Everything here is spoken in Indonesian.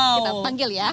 kita panggil ya